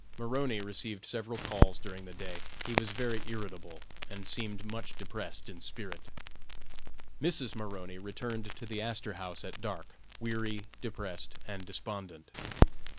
Maroney received several calls during the day; he was very irritable, and seemed much depressed in spirits. Mrs. Maroney returned to the Astor House at dark, weary, depressed, and despondent.